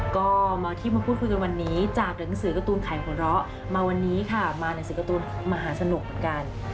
ก็มาที่มาพูดคุยกันวันนี้จากหนังสือการ์ตูนไข่หัวเราะมาวันนี้ค่ะมาหนังสือการ์ตูนมหาสนุกเหมือนกัน